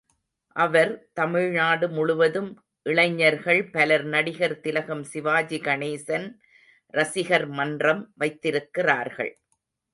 அவர், தமிழ்நாடு முழுவதும் இளைஞர்கள் பலர் நடிகர் திலகம் சிவாஜி கணேசன் ரசிகர் மன்றம் வைத்திருக்கிறார்கள்.